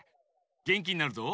げんきになるぞ。